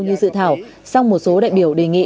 như dự thảo song một số đại biểu đề nghị